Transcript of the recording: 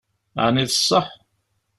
Ɛni d ṣṣeḥ?